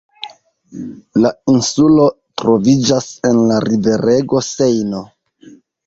La insulo troviĝas en la riverego Sejno.